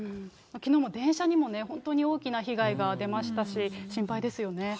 きのうも電車にも本当に大きな被害が出ましたし、心配ですよね。